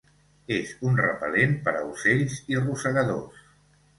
És un repel·lent per a ocells i rosegadors.